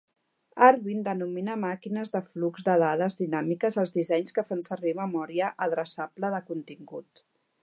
Arvind denomina màquines de flux de dades dinàmiques als dissenys que fan servir memòria adreçable de contingut.